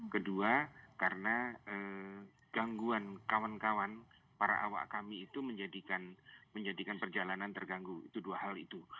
kedua karena gangguan kawan kawan para awak kami itu menjadikan perjalanan terganggu itu dua hal itu